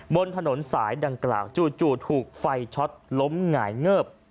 บน๑๘๐๐วันสายดั่งกลางจู่ถูกฟัยช็อตล้มหงายเงิบ